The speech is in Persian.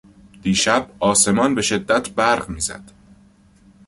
دیشب آسمان بهشدت برق میزد.